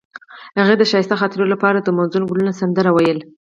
هغې د ښایسته خاطرو لپاره د موزون ګلونه سندره ویله.